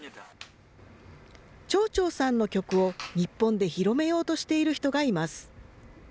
チョーチョーさんの曲を日本で広めようとしている人がいます。